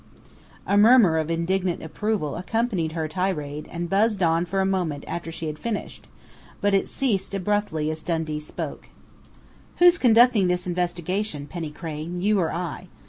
A murmur of indignant approval accompanied her tirade and buzzed on for a moment after she had finished, but it ceased abruptly as Dundee spoke: "Who's conducting this investigation, Penny Crain you or I?